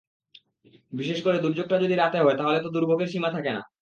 বিশেষ করে দুর্যোগটা যদি রাতে হয়, তাহলে তো দুর্ভোগের সীমা থাকে না।